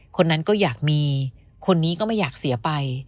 คนนั้นก็อยากมีคนนี้ก็ไม่อยากเสียไป